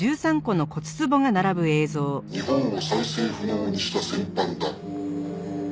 「日本を再生不能にした戦犯だ」